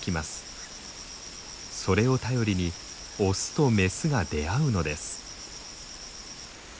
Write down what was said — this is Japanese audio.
それを頼りにオスとメスが出会うのです。